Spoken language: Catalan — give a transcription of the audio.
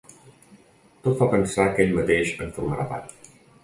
Tot fa pensar que ell mateix en formarà part.